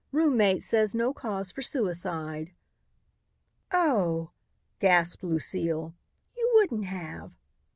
Roommate says no cause for suicide.'" "Oh!" gasped Lucile, "you wouldn't have!"